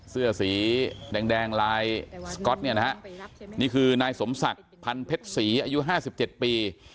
เสื้อสีแดงลายสก๊อตเนี่ยนะฮะนี่คือนายสมศักดิ์พันเพชรศรีอายุ๕๗ปี